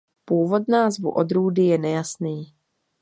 Původ názvu odrůdy je nejasný.